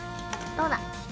どうだ！